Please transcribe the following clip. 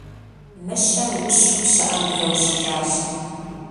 Мыщэр ущу пщыӏэм блэущыкӏащ.